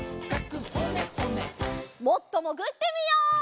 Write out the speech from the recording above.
もっともぐってみよう！